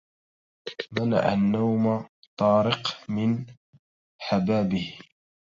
منع النوم طارق من حبابه